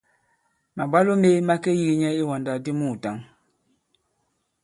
Màbwalo mē ma ke yīgi nyɛ i iwàndak di muùtǎŋ.